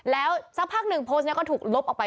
แล้วสักพักหนึ่งโพสต์นี้ก็ถูกลบออกไป